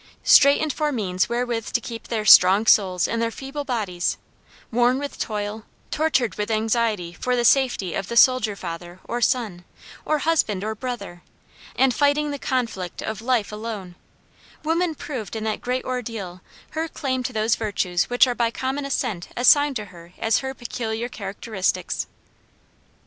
Straitened for means wherewith to keep their strong souls in their feeble bodies, worn with toil, tortured with anxiety for the safety of the soldier father or son, or husband or brother, and fighting the conflict of life alone, woman proved in that great ordeal her claim to those virtues which are by common consent assigned to her as her peculiar characteristics.